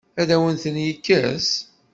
Ad awen-ten-yekkes?